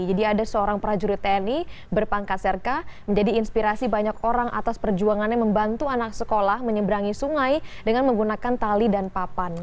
jadi ada seorang prajurit tni berpangkat serka menjadi inspirasi banyak orang atas perjuangannya membantu anak sekolah menyeberangi sungai dengan menggunakan tali dan papan